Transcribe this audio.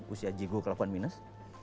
usia jigo kelakuan minus